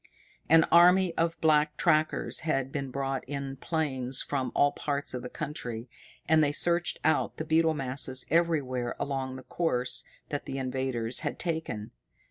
An army of black trackers had been brought in planes from all parts of the country, and they searched out the beetle masses everywhere along the course that the invaders had taken.